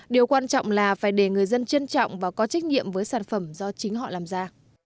điều quan trọng là phải để người dân trân trọng và có trách nhiệm với sản phẩm do chính họ làm ra